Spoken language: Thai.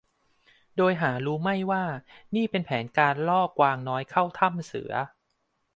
โดยหารู้ไม่ว่านี่เป็นแผนการล่อกวางน้อยเข้าถ้ำเสือ